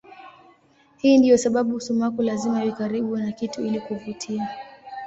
Hii ndiyo sababu sumaku lazima iwe karibu na kitu ili kuvutia.